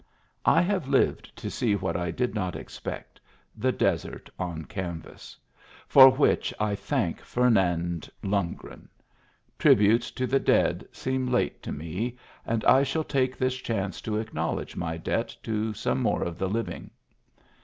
I have lived to see what I did not expect, the desert on canvas ; for which I thank Fernand Lungren. Tributes to the dead seem late to me, and I shall take this chance to acknowledge my debt to some more of the living.